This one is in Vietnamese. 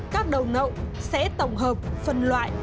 các đầu nậu sẽ tổng hợp phần loại